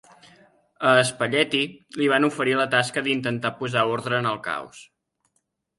A Spalletti li van oferir la tasca d'intentar posar ordre en el caos.